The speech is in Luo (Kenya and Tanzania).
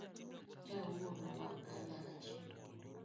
Tawuono wanka nyaka che.